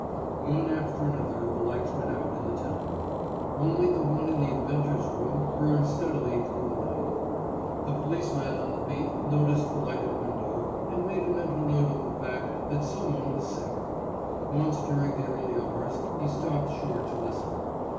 One after another the lights went out in the tenement. Only the one in the inventor's room burned steadily through the night. The policeman on the beat noticed the lighted window, and made a mental note of the fact that some one was sick. Once during the early hours he stopped short to listen.